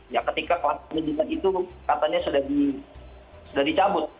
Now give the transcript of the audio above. ya ketika kelas pendidikan itu katanya sudah dicabut